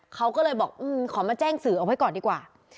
เขาก็เลยบอกขอมาแจ้งสื่อเอาไว้ก่อนดีกว่า